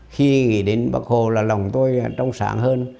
khi nghĩ đến bác hồ là lòng tôi trong sáng hơn